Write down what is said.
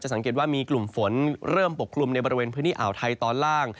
สังเกตว่ามีกลุ่มฝนเริ่มปกคลุมในบริเวณพื้นที่อ่าวไทยตอนล่าง